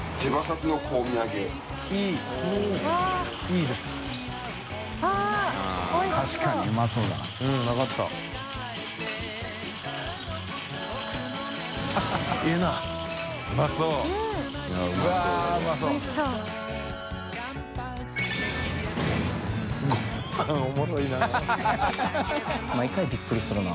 きむ）毎回びっくりするな。